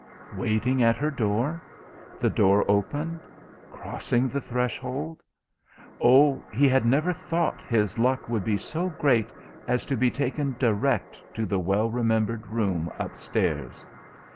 Waiting at her door, the door opened, crossing the threshold Oh, he had never thought his luck would be so great as to be taken direct to the well remembered room upstairs!